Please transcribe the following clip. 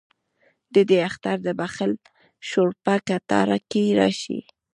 ددې اختر دبخښل شووپه کتار کې راشي